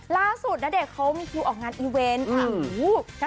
ล่าสุดณเดชน์มีคิวออกงานอิเวนต์ฮะ